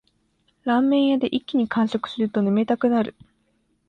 ラーメン屋で一気に完食すると眠たくなる